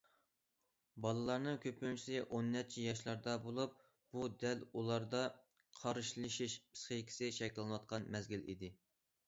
بالىلارنىڭ كۆپىنچىسى ئون نەچچە ياشلاردا بولۇپ، بۇ دەل ئۇلاردا قارشىلىشىش پىسخىكىسى شەكىللىنىۋاتقان مەزگىل ئىدى.